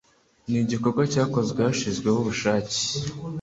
Ni igikorwa cyakozwe hashyizweho ubushake